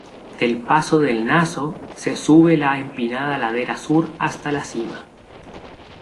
Del paso del Naso se sube la empinada ladera sur hasta la cima.